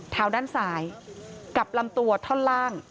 ด้านซ้ายกับลำตัวท่อนล่าง